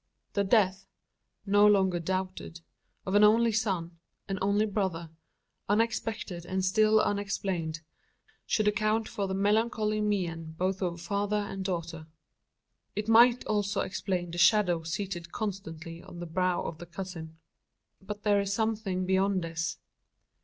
The death no longer doubted of an only son an only brother unexpected and still unexplained should account for the melancholy mien both of father and daughter. It might also explain the shadow seated constantly on the brow of the cousin. But there is something beyond this.